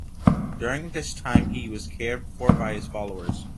During this time he was cared for by his followers.